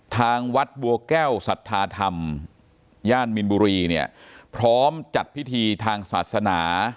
ทางวัดบัวแก้วสัทธาธรรมย่านมินบุรีเนี่ยพร้อมจัดพิธีทางศาสนา